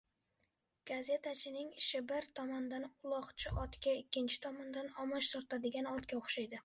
Gazetachining ishi bir tomondan uloqchi otga, ikkinchi tomondan omoch tortadigan otga o‘xshaydi.